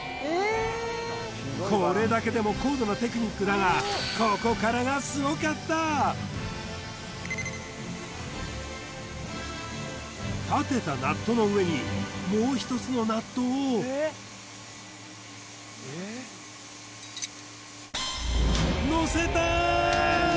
これだけでも高度なテクニックだが立てたナットの上にもう一つのナットをのせた！